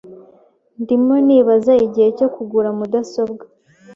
Ndimo nibaza igihe cyo kugura mudasobwa .